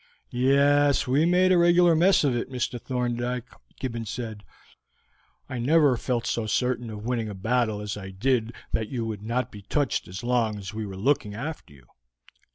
"Yes, we made a regular mess of it, Mr. Thorndyke," Gibbons said. "I never felt so certain of winning a battle as I did that you would not be touched as long as we were looking after you.